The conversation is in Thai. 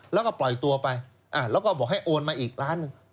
แล้วก็ปล่อยตัวไปแล้วก็บอกให้โอนมาอีกล้านหนึ่ง